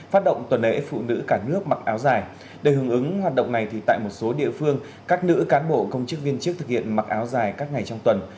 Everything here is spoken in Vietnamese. phát động tuần lễ phụ nữ cả nước mặc áo dài để hướng ứng hoạt động này tại một số địa phương các nữ cán bộ công chức viên chức thực hiện mặc áo dài các ngày trong tuần